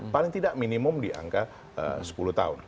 paling tidak minimum di angka sepuluh tahun